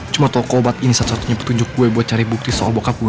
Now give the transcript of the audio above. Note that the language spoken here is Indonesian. cuma toko obat ini satu satunya petunjuk gue buat cari bukti soal bokap gue